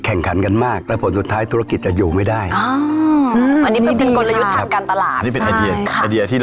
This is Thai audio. แล้วก็มั่นใจมาโรงแรมเราปลอดภัย